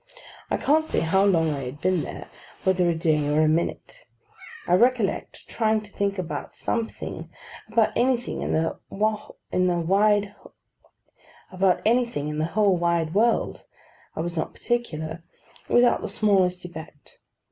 I can't say how long I had been there; whether a day or a minute. I recollect trying to think about something (about anything in the whole wide world, I was not particular) without the smallest effect.